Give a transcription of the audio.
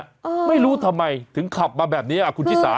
ไม่รู้ทำไมถึงขับมาแบบนี้อ่ะคุณชิสา